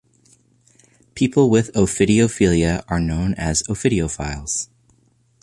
People with ophidiophilia are known as ophidiophiles.